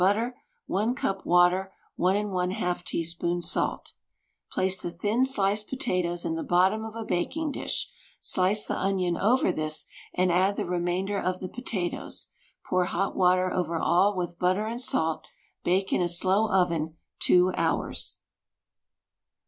butter I cup water ij4 teaspoon salt THE STAG COOK BOOK Place the thin sliced potatoes in the bottom of a baking dish, slice the onion over this and add the remainder of the potatoes ; pour hot water over all with butter and salt. Bake in a slow oven two hours.